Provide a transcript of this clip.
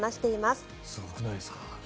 すごくないですか？